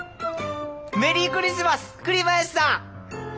メリークリスマス栗林さん。